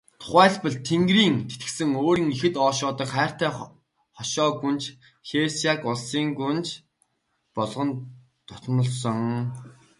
Тухайлбал, Тэнгэрийн тэтгэсэн өөрийн ихэд ойшоодог хайртай хошой гүнж Хэсяог улсын гүнж болгон дотнолсон.